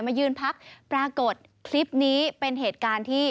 มายืนพักปรากฏคลิปนี้เป็นเหตุการณ์ที่